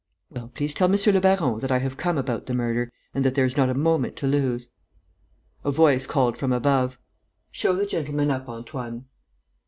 "Well, please tell monsieur le baron that I have come about the murder and that there is not a moment to lose." A voice called from above: "Show the gentleman up, Antoine."